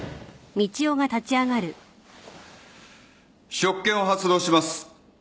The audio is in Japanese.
職権を発動します。